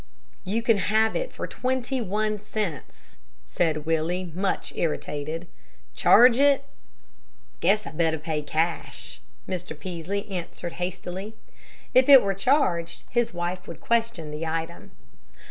"You can have it for twenty one cents," said Willie, much irritated. "Charge it?" "Guess I better pay cash," Mr. Peaslee answered hastily. If it were charged, his wife would question the item.